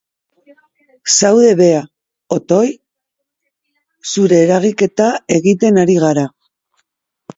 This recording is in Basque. Zaude beha, otoi. Zure eragiketa egiten ari gara.